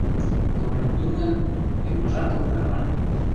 Кылмен тӱҥын, йылмыжат ок тарване.